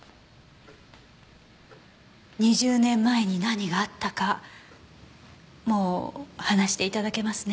２０年前に何があったかもう話して頂けますね。